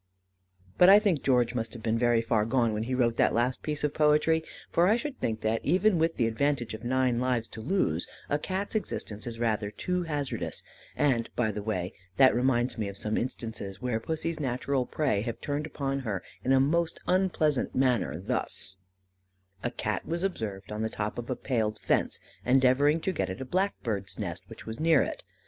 But I think George must have been very far gone when he wrote that piece of poetry, for I should think that, even with the advantage of nine lives to lose, a Cat's existence is rather too hazardous; and, by the way, that reminds me of some instances where Pussy's natural prey have turned upon her in a most unpleasant manner; thus: A Cat was observed on the top of a paled fence, endeavouring to get at a blackbird's nest, which was near it.